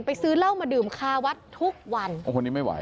ซื้อเหล้ามาดื่มคาวัดทุกวันโอ้คนนี้ไม่ไหว